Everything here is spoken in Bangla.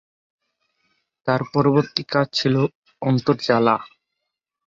তার পরবর্তী কাজ ছিল "অন্তর জ্বালা"।